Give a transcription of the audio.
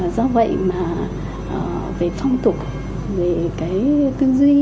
do vậy mà về phong tục về cái tư duy